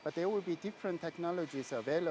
tetapi ada teknologi yang berbeda